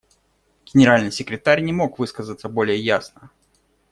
Генеральный секретарь не мог высказаться более ясно.